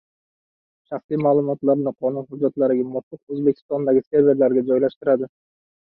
shaxsiy ma’lumotlarini qonun hujjatlariga muvofiq O‘zbekistondagi serverlarga joylashtiradi.